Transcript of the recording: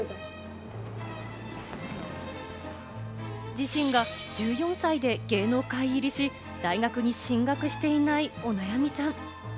自身が１４歳で芸能界入りし、大学に進学していないお悩みさん。